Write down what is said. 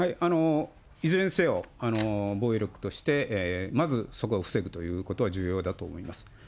いずれにせよ、防衛力としてまずそこを防ぐということは重要だと思います。